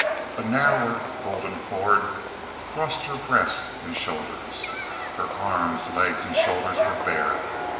A narrower golden cord crossed her breast and shoulders. Her arms, legs, and shoulders were bare.